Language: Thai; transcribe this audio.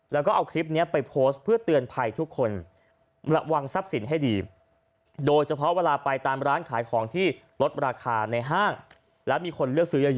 แล้วก็เอาคลิปนี้ไปโพสต์เพื่อเตือนภัยทุกคน